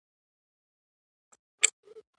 د امیر په حکم ووژل شوم.